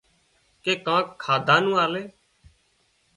ڪي ڪانڪ کاڌا نُون آلي